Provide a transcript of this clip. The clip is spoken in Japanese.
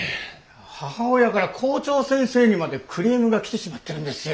母親から校長先生にまでクレームが来てしまってるんですよ。